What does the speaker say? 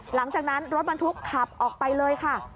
หลังจากนั้นรถบรรทุกขับออกไปเลยค่ะ